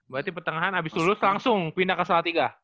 berarti pertengahan abis lulus langsung pindah ke salatiga